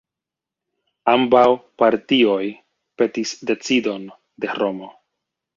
Ambaŭ partioj petis decidon de Romo.